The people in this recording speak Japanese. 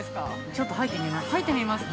◆ちょっと入ってみます？